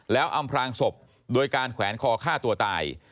แล้วอำพลางศพโดยการแขวนคอฆ่าตัวตาย